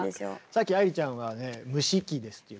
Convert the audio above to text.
さっき愛理ちゃんは蒸し器ですって言ってました。